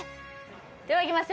ではいきますよ